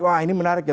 wah ini menarik ya